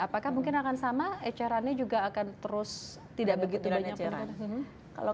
apakah mungkin akan sama ecerannya juga akan terus tidak begitu banyak yang datang